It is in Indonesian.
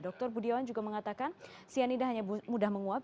dr budiawan juga mengatakan cyanida hanya mudah menguap